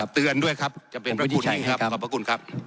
เตือนด้วยครับจะเป็นประคุณให้ครับ